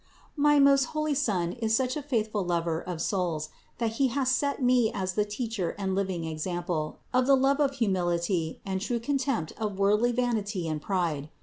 465. My most holy Son is such a faithful Lover of souls that He hast set me as the teacher and living example of the love of humility and true contempt of worldly vanity and pride.